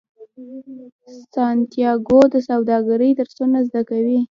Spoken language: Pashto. سانتیاګو د سوداګرۍ درسونه زده کوي.